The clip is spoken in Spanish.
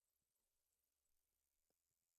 La Vieux-Rue